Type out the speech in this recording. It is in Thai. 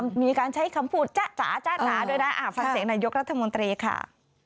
มันมีการใช้คำพูดจ๊ะจ๋าจ๊ะจ๋าด้วยนะฟังเสียงนายกรัฐมนตรีค่ะ